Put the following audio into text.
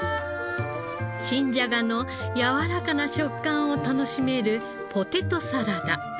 新じゃがのやわらかな食感を楽しめるポテトサラダ。